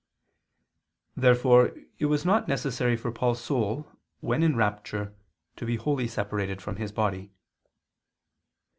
Therefore it was not necessary for Paul's soul, when in rapture, to be wholly separated from his body.